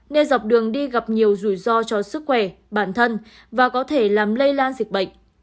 nên dọc đường đi gặp nhiều rủi ro cho sức khỏe bản thân và có thể làm lây lan dịch bệnh